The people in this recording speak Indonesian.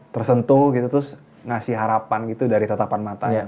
tersentuh gitu terus ngasih harapan gitu dari tetapan matanya